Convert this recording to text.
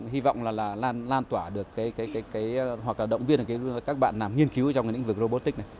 hy vọng là lan tỏa được hoặc là động viên các bạn làm nghiên cứu trong những vực robotics này